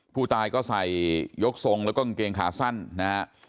ผู้ตายก็ใส่ยกทรงแล้วก็กางเกงขาสั้นนะฮะ